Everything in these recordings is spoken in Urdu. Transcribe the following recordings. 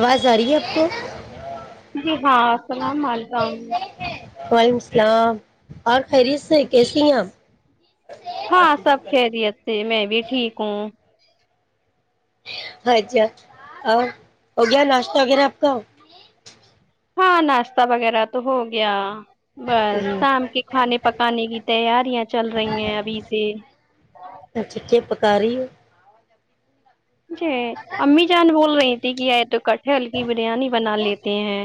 [inaudible] [inaudible] وعلیکم السلام اور خیریت سے کیسے [inaudible] ہاں سب خیریت سے میں بھی ٹھیک ہوں اچھا اور ہو گیا ناشتہ وغیرہ اپ کا ہاں ناشتہ وغیرہ تو ہو گیا بس جی سام کی کھانے پکانے کی تیاریاں چل رہی ہیں ابھی سے خاریی جی امی جان بول رہی کیا ہے تو ک ہلکی بریانی بنا لیتے ہیں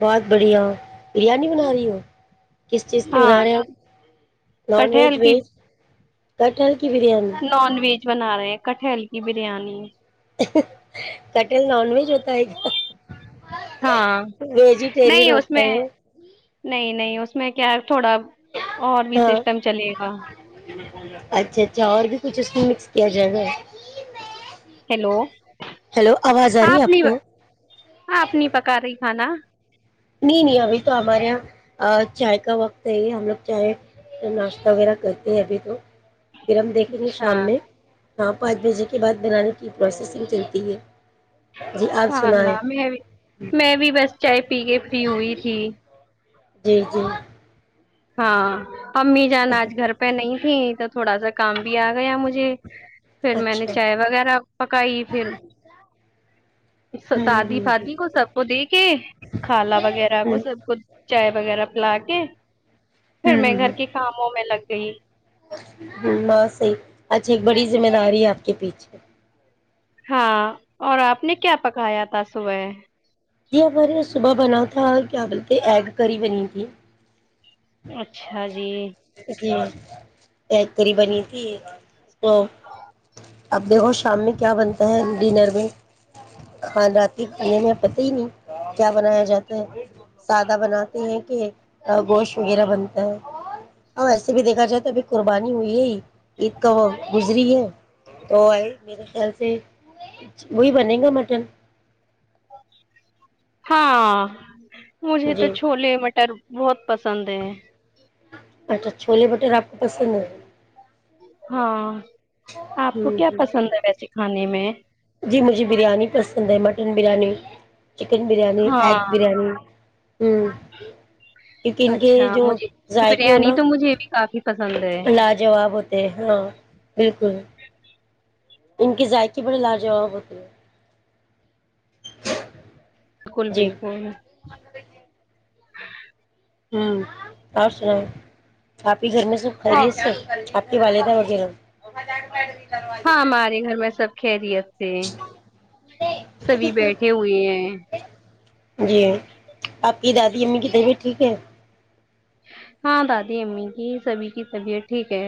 بہت بڑھیا بریانی بنا رہی ہو کس چیز کی ہاں بنا رہے آپ نان ویج کٹہل کی ویج کٹھن نان ویج بنا رہے ہیں کٹل کی بریانی کٹر نان ویج ہوتا ہے گ ہاں ویجیٹیرین نہیں اس ہوتا میں ہے نہیں نہیں اس میں کیا تھوڑا اور بھی ہاں سسٹم چلے گا اچھا اچھا اور بھی کچھ اس کو مکس کیا جائے گا ہیلو ہیلو آواز آ رہی آپ ہے نہیں کو آپ نہیں پکا رہی کھانا نہیں نہیں ابھی تو آبارے یہ چائے کا وقت ہے یہ ہم لوگ چائے ناشتہ وغیرہ کرتے ہیں ابھی تو پھر ہم دیکھیں گے شام اچھا میں ہاں پانچ بجے کے بعد بنانے کی پروسیسنگ چلتی ہے جی آپ سوال لا سنائیں میں بھی میں بھی بس چائے پی کے بھی ہوئی تھی جی جی ہاں امی جان آج گھر پہ نہیں تھیں تو تھوڑا سا کام بھی آ گیا مجھے پھر میں نے اچھا چائے وغیرہ پکائی پھر ہوں دادی ہوں فادی کو سب کو دے کے کالا وغیرہ کو ہوں سب کو چائے وغیرہ پلا کے پھر میں گھر کے کاموں میں لگ جی [unintelligible] ہ ہاں صحی اچھا ایک بڑی ذمہ داری ہے آپ کے پیچھے ہاں اور آپ نے کیا پکایا تھا صبح جی ہمارے صبح بنا تھا کیا بولتے ایگ کری بنی تھی اچھا جی جی ایگ کری بنی تھی تو اب دیکھو شام میں کیا بنتا ہے ڈنر میں ہاں راتاتنے پتا نہیں کیا بنایا جاتا ہے سادہ بناتے ہیں کہ گوشت وغیرہ بنتا ہے ا ایسے بھی دیکھا جائے تو ابھی قربانی ہوئی ہے عید کا وہ گزری ہے تو آئے میرے خیال سے وہی بنے گا مٹن ہاں مجھے تو جی چھولے مٹر بہت پسند ہے اچھا چھولے بٹر آپ کو پسند ہے ہاں آپ کو ہوں کیا ہوں پسند ہے ویسے کھانے میں جی مجھے بریانی پسند ہے مٹن بریانی چکن بریانی ہاں ایگ بریانی ہوں کیونکہ ان کے اچھا جو مجھے ذائقے ہو بریانی نا تو مجھے بھی کافی پسند ہے لاجواب ہوتے ہاں بالکل ان کے ذائقی بڑی لاجواب ہوتی ہے بالکل جی بالکل [inaudible] ہوں اور سناوں آپ گھر میں سب ہاں خیریت سے والید ا وغیرہ ہاں ہمارے گھر میں سب خیرت سبھی بیٹھے ہوئے ہیں جی آپ کی دادی امی کی طبیعت ٹھیک ہے ہاں دادی امی کی سبھی کی طبیعت ٹھیک ہے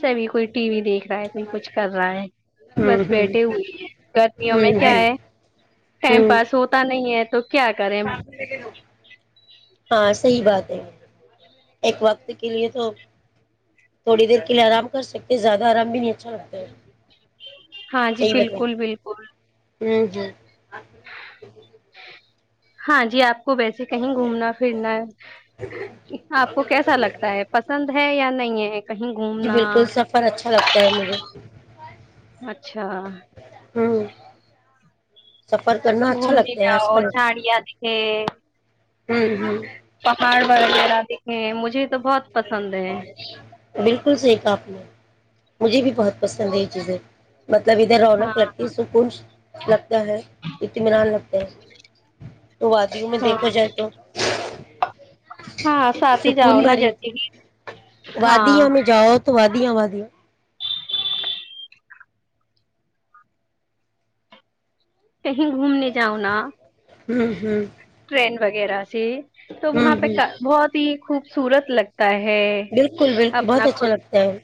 سبھی کوئی ٹی وی دیکھ رہا ہے کوئی کچھ کر رہا ہے ہوں بس ہوں بیٹھے ہوئے گرمیوں میں ہوں کیا ہوں ہے ٹائم ہوں پاس ہوتا نہیں ہے تو کیا کریں ہاں صحی بات ہے ایک وقت کے لیے تو تھوڑی دیر کے لیے آرام کر سکتے زیادہ آرام بھی نہیں اچھا لگتا ہے ہاں جی صحیح بتائیں بالکل بالکل [unintelligible] ہاں جی آپ کو ویس کہیں گھومنا پھرنا آپ کو کیسا لگتا ہے پسند ہے یا نہیں [inaudible] جی بالکل سفر اچھا لگتا ہے مجھے اچھا ہوں سفر کرنا اچھا گھومنے لگتا ہے آج جاؤ کل چھاڑیا دکھے ہوں ہوں پاڑ [unintelligible] بالکل سحی کہپ نے مجھے بھی بہت پسند ہے یہ چیزیں مطلب ادھر ہاں رونق لگتی ہے سکنج لگتا ہے اطمینان لگتا ا تو وادیوں میں ہاں دیکھا جائے تو ہاں ساتھ ہی جاؤ پن نا بری جیسے کہ وادی ہاں ہمیں جاؤ تو وادی وی وادیا کہیں گھومنے جاؤ نا ہوں ہوں ٹرین وغیرہ سے تو وہاں ہوں پہ ہوں بہت ہی خوب سورت لگتا ہے بالکل بالکل اپنا بہت اچھا خود لگتا ہے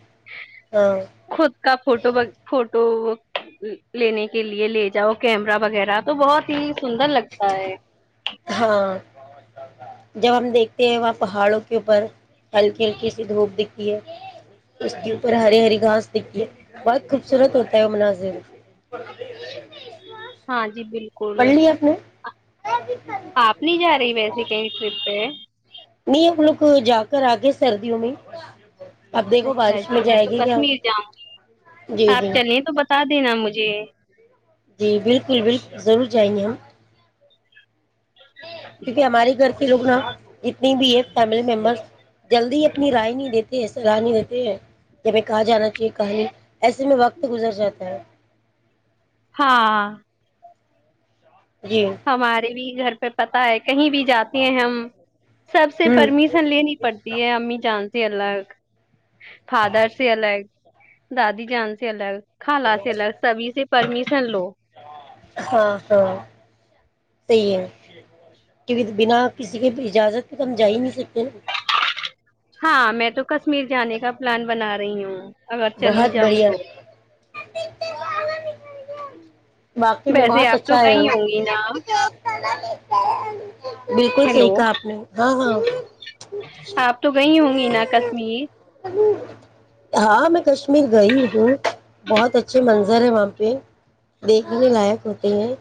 ہاں خود کا فوٹو فوٹو لینے کے لیے لے جاؤ کیمرہ وغیرہ تو بہت ہی سندر لگتا ہے ہاں جب ہم دیکھتے ہیں وہاں پہاڑوں کے اوپر ہلکی ہلکی سی دھوپ دکتی ہے اس کے اوپر ہری ہری گھاس دکھتی ہے بہت خوبصورت ہوتا ہے وہ مناظر ہاں جی بالکل پڑلیی اپ نے آپ نہیں جا رہی ویسے کہیں ٹرپ پہ نہیں ہم لوگ جا کر آگے سردیوں میں اب دیکھو اچھا بارش جی میں جائے تو گی کیا کشمیر جاؤں جی آپ جی چلیں تو بتا دینا مجھے جی بالکل بالکل ضرور جائیں گے ہم کیونکہ ہماری گھر لوگ نا جتنی بھی ہے فیملی ممبر جلدی اپنی رائے نہیں دیتے ہیں سلاح نہیں دیتے ہیں کہ ہمیں کہاں جانا چاہیے کہاں نہیں ایسے میں وقت گزر جاتا ہے ہاں جی ہوں ہمارے بھی گھر پہ پتتا ہے کہیں بھی جاتے ہیں ہم سب سے پرمیشن لینی پڑتی ہے امی جان [unintelligible] فادرس ہی ال الگ دادی جان سے الگ خالا سے لگ سبھی سے پرمیشن لو ہاں ہاں صحیح ہے کیکہ بنا کسی کے اجازت پہ تو ہم جا ہی نہیں سکتے ہاں میں تو کشمیر جانے کا پلان بنا رہی ہوں اگر چلی بہت جاؤں بڑھیا تو باقی میں ویسے بہت آپ تو اچھا ہے گئی وہ ہوں گی نا [unintelligible] ہیلو صحیح کہا آپ نے ہاں ہاں آپ تو گئی ہوں گی نا کشمیر ہاں میں کشمیر گئی ہوں بہت اچھے منظر ہے وہاں پہ دیکھنے لائق ہوتے ہیں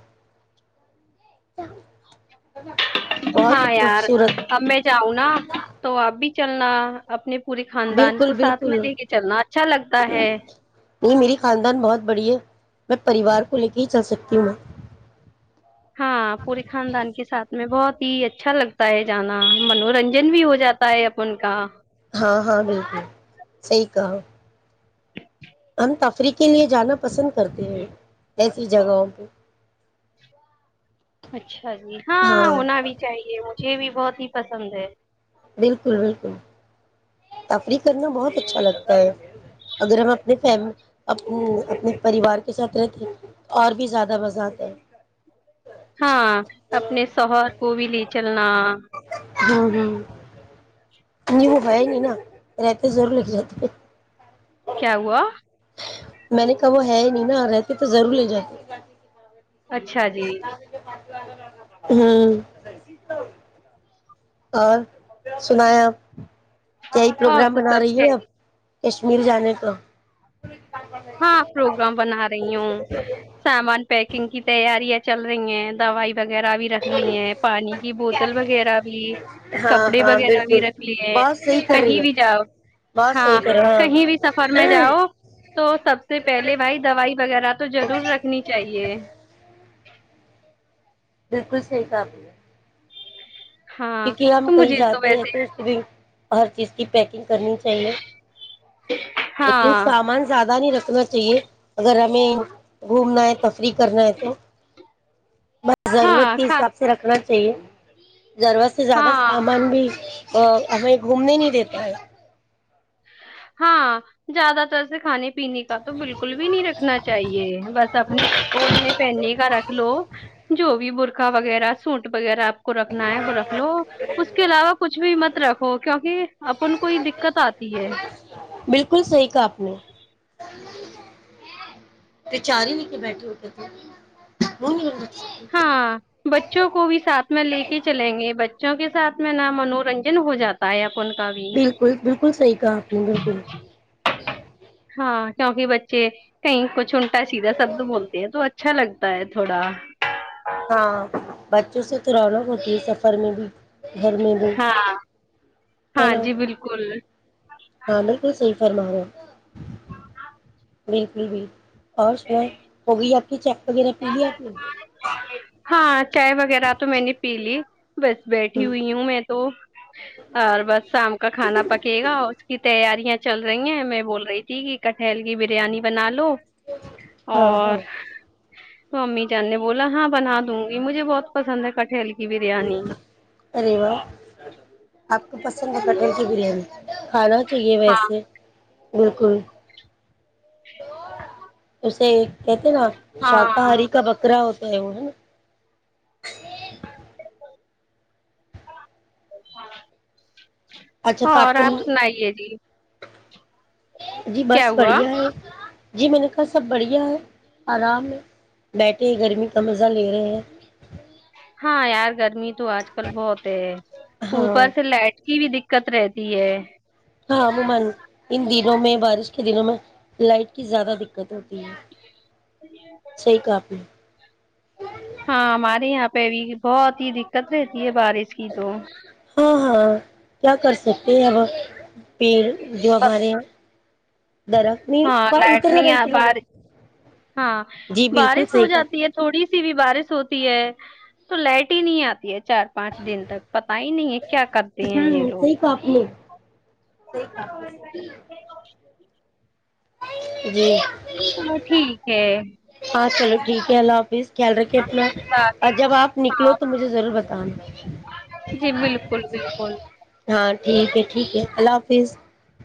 بہت ہاں یار خوبصورت اب میں جاؤں نا تو اب بھی چلنا اپنی پورے خاندان بالکل کو ساتھ میں بالکل لے کے چلنا اچھا لگتا ہے نہیں میری خاندان بہت بڑی ہے میں پریوار کو لے کے ہی چل سکتی ہوں ہاں پوری خاندان کے ساتھ میں بہت ب ہی اچھا لگتا ہے جانا منورنجن بھی ہو جاتا ہے اپن کا ہاں ہاں بالکل صحی کہا ہم تفریح کے لیے جانا پسند کرتے ہیں ایسی جگہوں پہ اچھا جی ہاں ہونا بھی چاہیے مھے بھی بہت ہی پسند ہے بالکل بالکل تفریح کرنا بہت اچھا لگتا ہے اگر ہم اپنے فی اپنے پریوار کے ساتھ رہتے ہیں تو اور بھی زیادہ مزہ آتا ہے ہاں اپنے سہر کو بھی لی چلنا ہ ہ نہیں وہ ہے نہیں نا رہتے زور لگ جاتے کیا ہوا میں نے کہا وہ ہے ہی نہیں نا رہتی تو ضرور لے جات اچھا جی ھمم اور سنا ہے آپ کیا ہی اور پروگرام تو بنا رہی سب ہے اب کشمیر جانے کا ج [unintelligible] ہاں پروگرام بنا رہی ہوں سامان پیکنگ کی تیاری ہے چل رہی ہیں دوائی وغیرہ بھی رکھ لی ہیں پانی کی بوتل وغیرہ بھی ہاں کپڑے ہاں وغیرہ بھی بالکل رکھ لیے ہیں بہت صحیح کر رہی کہیں بھی ہے جاؤ بہت ہاں صحیح کر رہے کہیں ہاں بھی سفر میں جاؤ تو سب سے پہلے بھائی دوائی وغیرہ تو ضرور رکھنی چاہیے بالکل صحیح کاابل ہے ہاں کیونکہ ہم تو کہیں مجھے تو جاتے ہیں ویسے پ سگ ہر چیز کی پیکنگ کرنی چاہیے لیکن ہاں سامان زیادہ نہیں رکھنا چاہیے اگر آپ م [unintelligible] گھومنا ہے تفریح کرنا ہے تو بس ضرورت ہاں کے حساب سے رکھنا چی ضرورت سے زیادہ ہاں سامان بھی ہمیں گھومنے نہیں دیتا ہے ہاں زیادہ تر سے کھانے پینے کا تو بالکل بھی نہیں رکھنا چاہیے بس اپنے آپو اپنے پہنے کا رکھ لو جو بھی بر کا وغیرہ سوٹ وغیرہ کو رکھنا ہے وہ رکھ لو اس کے علاوہ کچھ بھی مت رکھو کیونکہ اپن کوئی دقت آتی ہے بالکل صحیح کہ آپ نے ب چار ہی ل کے بیٹھے ہوتے تھے ہاں بچوں کو بھی ساتھ میں لے کے چلیں گے بچوں کے ساتھ میں نہ منورنجن ہو جاتا ہے ا بالکل بالکل صحیح کہا آپ نے بالکل ہاں ہاں کیونکہ بچے کہیں کچھ انٹا سیدھا شبد بولتے ہیں تو اچھا لگتا ہے تھوڑا ہاں بچوں سے تو رونق ہوتی ہے سفر میں بھی گھر میں بھی ہاں ن ہاں جی بالکل ہاں بالکل صحیح فرما ہوا بالکل بھی اور سنا وہ بھی آ ہچا وغیرہ پی لیا اپ نے ہاں چائے وغیرہ تو میں نے پی لی بس بیٹھی ہوئی ہوں میں تو اور بس شام کا کھانا پکے گا اس کی تیاری ں چل رہی ہیں میں بول رہی تھی کہ کٹھل کی بریانی بنا لو ہاں اور ہاں تو امی جان نے بولا ہاں بنا دوں گی مجھے بہت پسند ہے کٹھلی ارے واہ تو پسند ہے کٹہیل کی بریانی کھانا چاہیے ہاں ویسے بالکل [inaudible] [inaudible] نا ہاں شاکاہاری کا بکرا ہوتا [inaudible] ہاں اچھا تو ہاں اور کو آپ سنائیے جی جی کیا بس ہوا بڑھیا ہے جی م نے کا سب بڑھیا ہے آرام ہے بیٹھے گرمی کا مزہ لے رہے ہیں ہاں یار گرمی تو آج کل بہت ہے ہاں اوپر سے لائٹ کی بھی د دقت رہتی ہے ہاں امومن ہند دنوں میں بارش کے دنوں میں لائٹ کی زیادہ دقت ہوتی ہے صحیح کہا آپ نے [inaudible] [inaudible] ہاں ہمارے یہاں پہ بھی بہت ہی دقت رہتی ہے بارش کی تو ہاں ہاں کیا کر سکتے ہیں اب ہم پیر جو ہمارے درخت نہیں ہاں لائٹ ادھر نہیں لگا ا ادھر پا لگا رہی ہاں جی بالکل بارش ہو صحیح جاتی کہا ہے تھوڑی ی بھی بارش ہوتی ہے تو لائٹ ہی نہیں آتی ہے چار پانچ دن تک پتا ہی نہیں ہے کیا کرتے ہیں یہ ہوں لوگ صحیح کہا آپ نے صحیح کہا جی چلو ٹھیک ہے ہاں چلو ٹھیک ہے اللہ حافظ خیال رکھ ک اللہ اور جب حافظ آپ نکلو ہاں تو مجھے ضرور بتا [inaudible] جی بالکل بالکل ہاں ٹھیک ہے ٹھیک ہے اللہ حافظ فش